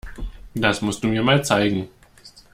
Das musst du mir mal zeigen.